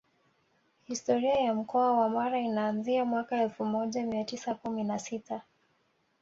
Historia ya Mkoa wa Mara inaanzia mwaka elfu moja mia tisa kumi na sita